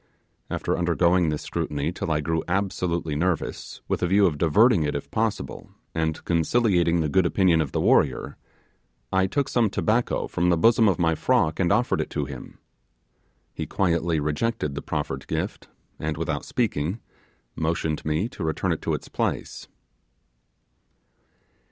After undergoing this scrutiny till I grew absolutely nervous, with a view of diverting it if possible, and conciliating the good opinion of the warrior, I took some tobacco from the bosom of my frock and offered it to him. He quietly rejected the proffered gift, and, without speaking, motioned me to return it to its place.